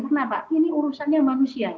karena ini urusannya manusia